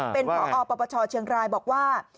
เป็นขอออกประปเชาะเชียงรายบอกว่า